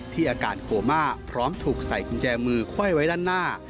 อาการโคม่าพร้อมถูกใส่กุญแจมือไขว้ไว้ด้านหน้า